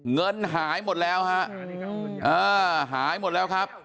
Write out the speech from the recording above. เงินหายหมดแล้วฮะหายหมดแล้วครับ